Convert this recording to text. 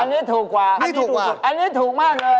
อันนี้ถูกกว่าอันนี้ถูกมากเลย